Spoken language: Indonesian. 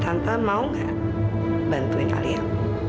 tante tante mau gak bantuin kalian